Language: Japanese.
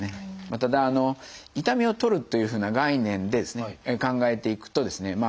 ただ痛みを取るというふうな概念で考えていくとですね